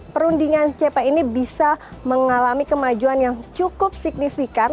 perundingan cp ini bisa mengalami kemajuan yang cukup signifikan